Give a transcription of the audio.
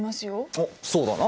おっそうだな。